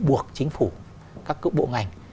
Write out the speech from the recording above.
buộc chính phủ các cựu bộ ngành